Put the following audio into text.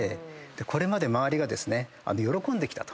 これまで周りが喜んできたと。